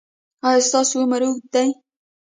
ایا ستاسو عمر اوږد دی؟